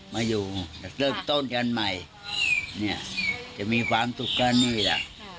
มาอยู่แต่เริ่มต้นกันใหม่จะมีความสุขกันนี่ล่ะ